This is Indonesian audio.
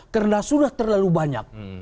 karena sudah terlalu banyak